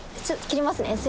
切りますね。